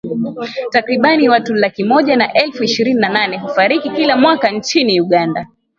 Takriban watu laki moja na elfu ishirini na nane hufariki kila mwaka nchini Uganda.